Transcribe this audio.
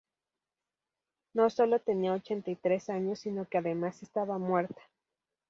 no solo tenía ochenta y tres años sino que además estaba muerta